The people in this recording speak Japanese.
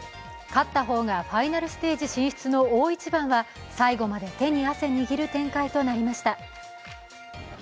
勝った方がファイナルステージ進出の大一番は最後まで手に汗握る展開となりました。